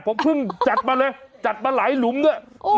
ผมเพิ่งจัดมาเลยจัดมาหลายหลุมด้วย